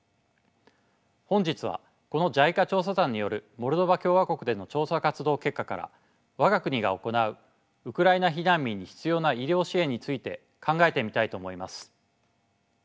本日はこのＪＩＣＡ調査団によるモルドバ共和国での調査活動結果から我が国が行うウクライナ避難民に必要な医療支援について考えてみたいと思います。